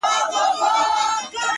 • ستا خــوله كــي ټــپه اشــنا ـ